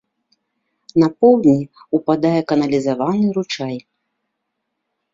На поўдні ўпадае каналізаваны ручай.